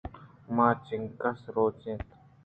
ماہ ءِ چنکس روچ اَنت ؟